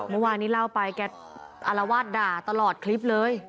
เมื่อวานนี้เล่าไปแกอารวาสด่าตลอดคลิปเลย